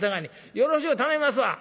よろしゅう頼みますわ。